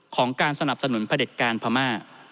การสนับสนุนพระเด็จการพม่า